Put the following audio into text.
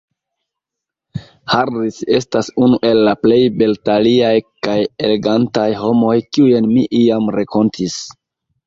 Harris estas unu el la plej beltaliaj kaj elegantaj homoj, kiujn mi iam renkontis.